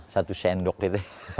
satu sendok itu